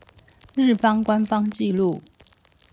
日方官方紀錄